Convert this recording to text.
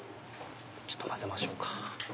ちょっと混ぜましょうか。